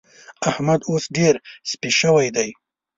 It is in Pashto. احمد اوس ډېر سپي شوی دی.